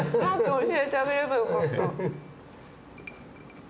教えてあげればよかった。